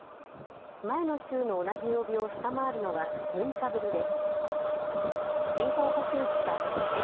前の週の同じ曜日を下回るのは６日ぶりです。